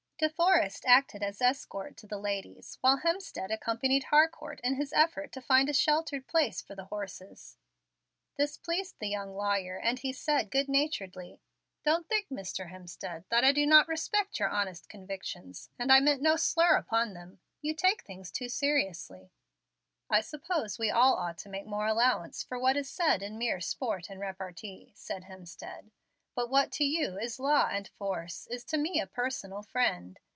De Forrest acted as escort to the ladies, while Hemstead accompanied Harcourt in his effort to find a sheltered place for the horses. This pleased the young lawyer, and he said, good naturedly, "Don't think, Mr. Hemstead, that I do not respect your honest convictions, and I meant no slur upon them. You take things too seriously." "I suppose we all ought to make more allowance for what is said in mere sport and repartee," said Hemstead. "But what to you is law and force is to me a personal Friend.